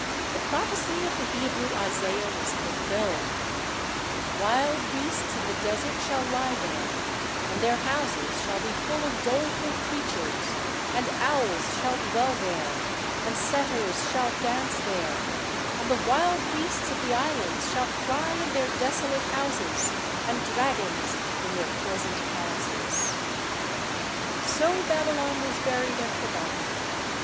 The prophecy of the Hebrew Isaiah was fulfilled : Wild beasts of the desert shall lie there; and their houses shall be full of doleful creatures, and owls shall dwell there, and satyrs shall dance there, and the wild beasts of the islands shall cry in their desolate houses, and dragons in their pleasant palaces. So Babylon was buried and forgotten.